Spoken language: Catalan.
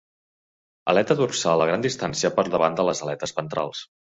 Aleta dorsal a gran distància per davant de les aletes ventrals.